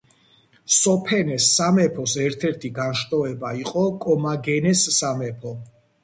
სოფენეს სამეფოს ერთ-ერთი განშტოება იყო კომაგენეს სამეფო.